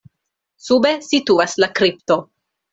Sube situas la kripto.